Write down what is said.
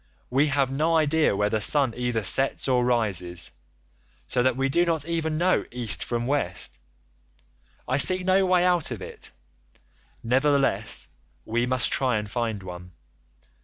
We have no idea where the sun either sets or rises,85 so that we do not even know East from West. I see no way out of it; nevertheless, we must try and find one.